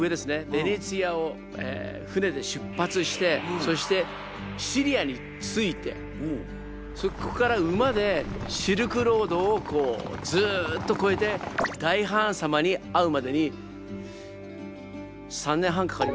ベネチアを船で出発してそしてシリアに着いてそこから馬でシルクロードをこうずっとこえて大ハーン様に会うまでに３年半かかりました。